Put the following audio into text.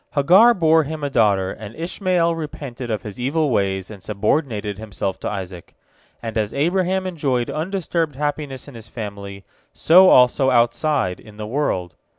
Hagar bore him a daughter, and Ishmael repented of his evil ways and subordinated himself to Isaac. And as Abraham enjoyed undisturbed happiness in his family, so also outside, in the world.